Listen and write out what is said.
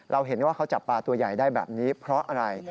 เราเห็นว่าเขาจับปลาตัวใหญ่ได้แบบนี้เพราะอะไร